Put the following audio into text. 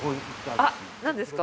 あっ何ですか？